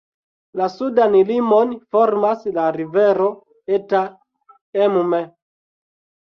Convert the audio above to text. La sudan limon formas la rivero Eta Emme.